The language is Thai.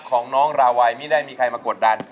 ของเราราวัยไม่ได้มีใครมากดดัน